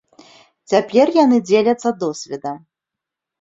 Цяпер яны дзеляцца досведам.